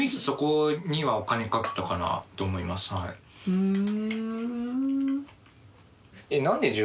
ふん。